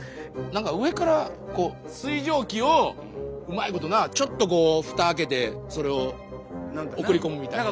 何か上から水蒸気をうまいことなちょっとこうふた開けてそれを送り込むみたいな。